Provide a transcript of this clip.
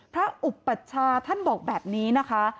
อุปัชชาท่านบอกแบบนี้นะคะ